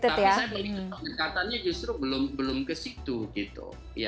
tapi saya melihat dekatannya justru belum ke situ gitu